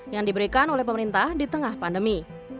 yang diberikan oleh pemerintah di tengah pandemi